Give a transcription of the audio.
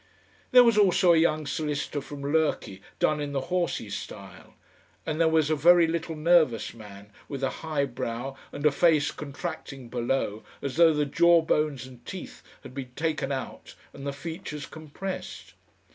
There was also a young solicitor from Lurky done in the horsey style, and there was a very little nervous man with a high brow and a face contracting below as though the jawbones and teeth had been taken out and the features compressed.